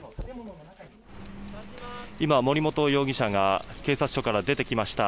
今、森本容疑者が警察署から出てきました。